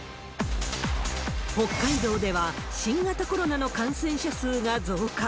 北海道では新型コロナの感染者数が増加。